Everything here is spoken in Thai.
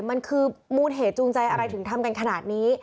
มันคือมูลเหตุจูงใจอะไรถึงทำกันขนาดนี้